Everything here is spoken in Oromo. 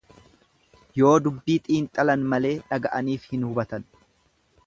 Yoo dubbii xiinxalan malee dhaga'aniif hin hubatan.